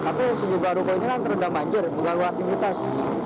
tapi sejumlah ruko ini kan terendam banjir mengganggu aktivitas